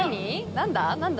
何だ？